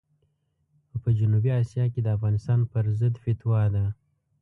خو په جنوبي اسیا کې د افغانستان پرضد فتوا ده.